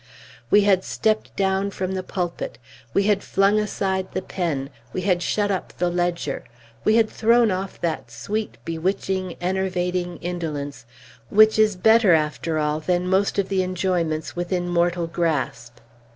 We had stepped down from the pulpit; we had flung aside the pen; we had shut up the ledger; we had thrown off that sweet, bewitching, enervating indolence, which is better, after all, than most of the enjoyments within mortal grasp.